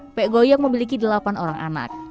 mpek goyok memiliki delapan orang anak